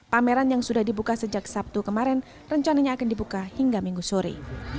pameran yang sudah dibuka sejak sabtu kemarin rencananya akan dibuka hingga minggu sore